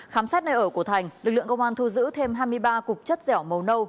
khám xét nơi ở của thành lực lượng công an thu giữ thêm hai mươi ba cục chất dẻo màu nâu